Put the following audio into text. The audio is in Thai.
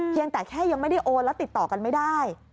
แต่แค่ยังไม่ได้โอนแล้วติดต่อกันไม่ได้